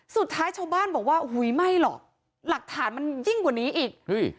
สุดท้ายชาวบ้านบอกว่าอุ้ยไม่หรอกหลักฐานมันยิ่งกว่านี้อีก